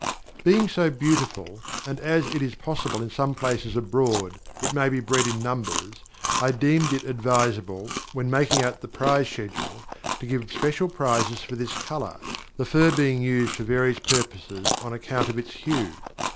Being so beautiful, and as it is possible in some places abroad it may be bred in numbers, I deemed it advisable, when making out the prize schedule, to give special prizes for this colour; the fur being used for various purposes on account of its hue.